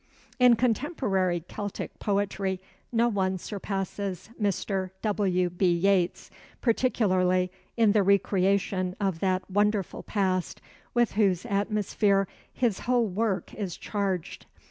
In contemporary Celtic poetry no one surpasses Mr. W. B. Yeats, particularly in the re creation of that wonderful past with whose atmosphere his whole work is charged.